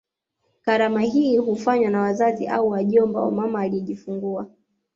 Karamu hii hufanywa na wazazi au wajomba wa mama aliyejifungua